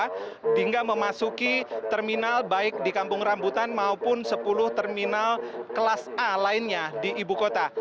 sehingga memasuki terminal baik di kampung rambutan maupun sepuluh terminal kelas a lainnya di ibu kota